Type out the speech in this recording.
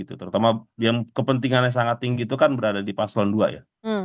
terutama yang kepentingannya sangat tinggi itu kan berada di paslon dua ya